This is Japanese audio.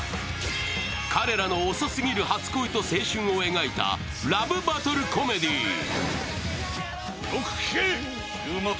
彼らの遅すぎる初恋と青春を描いたラブコメディー。